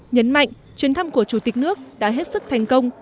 nhấn mạnh chuyến thăm của chủ tịch nước đã hết sức thành công